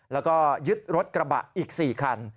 แล้วก็ยึดรถกระบะอีก๔คัน